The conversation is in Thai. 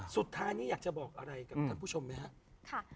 สุดท้ายนี้อยากจะบอกอะไรกับท่านผู้ชมไหมครับ